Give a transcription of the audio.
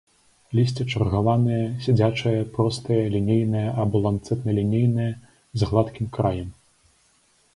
Лісце чаргаванае, сядзячае, простае, лінейнае або ланцэтна-лінейнае, з гладкім краем.